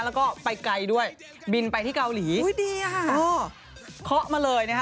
แล้วก็ไปไกลด้วยบินไปที่เกาหลีอุ้ยดีอ่ะค่ะเออเคาะมาเลยนะฮะ